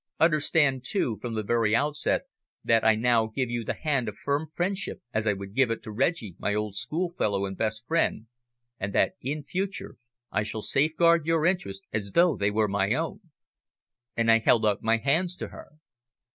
Understand, too, from the very outset that I now give you the hand of firm friendship as I would give it to Reggie, my old schoolfellow and best friend, and that in future I shall safeguard your interests as though they were my own." And I held out my hands to her.